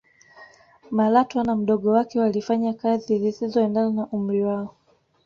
malatwa na mdogo wake walifanya kazi zisizoendana na umri wao